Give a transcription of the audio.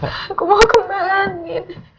aku mau kembali